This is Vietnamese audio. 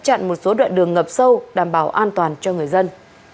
chặn một số đoạn đường ngập sâu đảm bảo an toàn cho người dân